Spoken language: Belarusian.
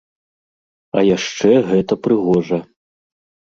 А яшчэ гэта прыгожа.